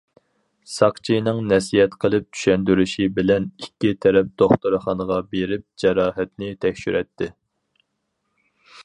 ساقچىنىڭ نەسىھەت قىلىپ چۈشەندۈرۈشى بىلەن، ئىككى تەرەپ دوختۇرخانىغا بېرىپ جاراھەتنى تەكشۈرەتتى.